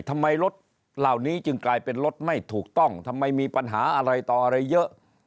ทำไมรถเหล่านี้จึงกลายเป็นรถไม่ถูกต้องทำไมมีปัญหาอะไรต่ออะไรเยอะ